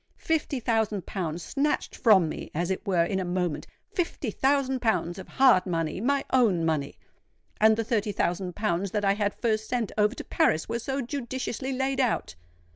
Fifty thousand pounds snatched from me as it were in a moment,—fifty thousand pounds of hard money—my own money! And the thirty thousand pounds that I had first sent over to Paris were so judiciously laid out!